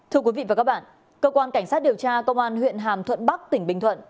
thưa quý vị và các bạn cơ quan cảnh sát điều tra công an huyện hàm thuận bắc tỉnh bình thuận